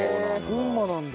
群馬なんだ。